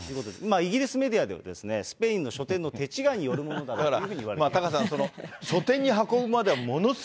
イギリスメディアでは、スペインの書店の手違いによるものだというふうに言われています。